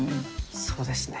そうですね。